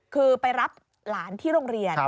คือไปรับหลานที่โรงเรียน